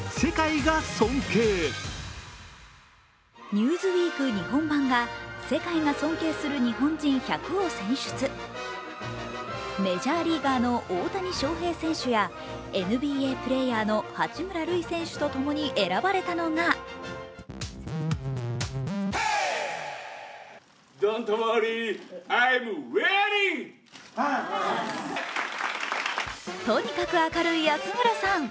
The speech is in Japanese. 「ニューズウィーク日本版」が「世界が尊敬する日本人１００」を選出メジャーリーガーの大谷翔平選手やＮＢＡプレーヤーの八村塁選手とともに選ばれたのがとにかく明るい安村さん。